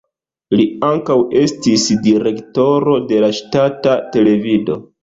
Li ankaŭ estis direktoro de la ŝtata televido.